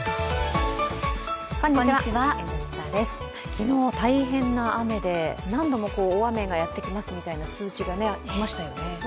昨日大変な雨で何度も大雨がやってきますみたいな通知が来ましたよね。